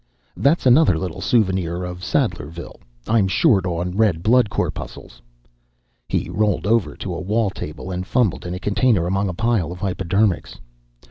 "That's another little souvenir of Sadlerville. I'm short on red blood corpuscles." He rolled over to a wall table and fumbled in a container among a pile of hypodermics.